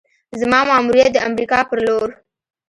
زما ماموریت د امریکا پر لور: